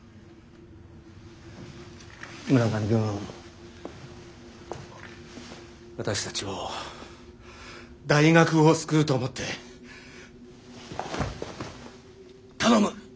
村上くん私たちを大学を救うと思って頼む。